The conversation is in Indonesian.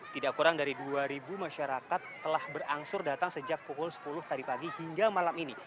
tidak kurang dari dua masyarakat telah berangsur datang sejak pukul sepuluh tadi pagi hingga malam ini